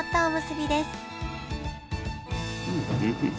うんおいしい。